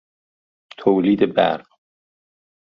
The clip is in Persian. تولید برق